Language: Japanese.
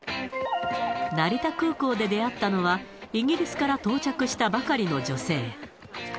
成田空港で出会ったのは、イギリスから到着したばかりの女性。